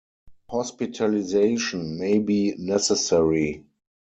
Hospitalisation may be necessary.